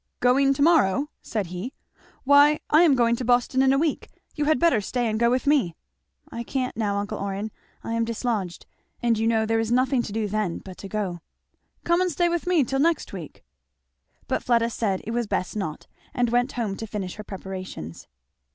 "Going to morrow," said he. "Why I am going to Boston in a week you had better stay and go with me." "I can't now, uncle Orrin I am dislodged and you know there is nothing to do then but to go." "Come and stay with me till next week." But Fleda said it was best not, and went home to finish her preparations.